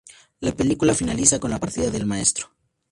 La película finaliza con la partida del maestro.